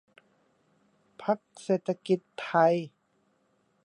พรรคเศรษฐกิจไทย